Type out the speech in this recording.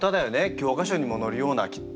教科書にも載るようなきっと。